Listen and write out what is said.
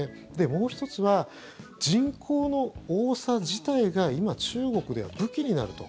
もう１つは人口の多さ自体が今、中国では武器になると。